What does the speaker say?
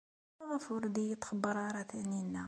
Maɣef ur iyi-d-txebber ara Taninna?